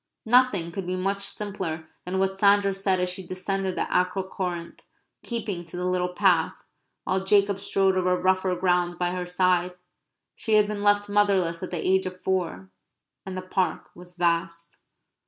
Nothing could be much simpler than what Sandra said as she descended the Acro Corinth, keeping to the little path, while Jacob strode over rougher ground by her side. She had been left motherless at the age of four; and the Park was vast.